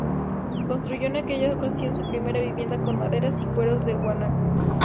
Construyó, en aquella ocasión, su primera vivienda con maderas y cueros de guanaco.